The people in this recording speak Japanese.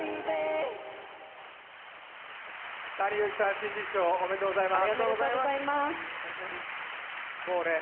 新人賞おめでとうございます。